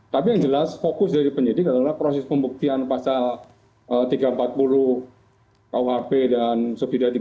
tapi yang jelas fokus dari penyidik adalah proses pembuktian pasal tiga ratus empat puluh kuhp dan sebidang tiga puluh